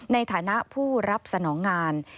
ในฐานะผู้รับสนองงาน